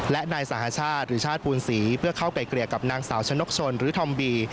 และนายสหชาติหรือชาติปูนศรีเพื่อเข้าไก่เกลี่ยกับนางสาวชนกสนหรือธอมบี